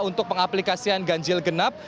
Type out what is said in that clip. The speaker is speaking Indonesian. untuk pengaplikasian ganjil genap